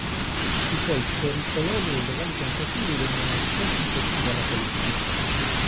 I suoi pericolosi e illegali tentativi venivano spesso impediti dalla Polizia.